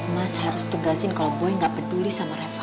mas harus tegasin kalo boy nggak peduli sama reva